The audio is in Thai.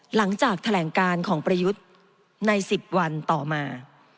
หลังจากแถลงการของประยุทธ์ใน๑๐วันต่อมา